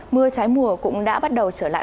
mưa trái mùa cũng đã bắt đầu trở lại